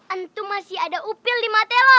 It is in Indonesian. entu masih ada upil di matella